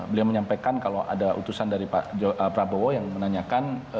beliau menyampaikan kalau ada utusan dari pak prabowo yang menanyakan